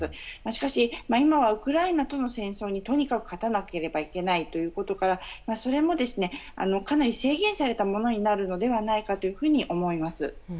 しかし今はウクライナとの戦争にとにかく勝たなければいけないということからそれもかなり制限されたものになるのではないかと思います。